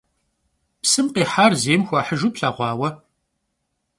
Psım khihar zêym xuahıjju plheğua vue?